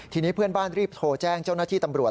ทีนี้เพื่อนบ้านรีบโทรแจ้งเจ้าหน้าที่ตำรวจ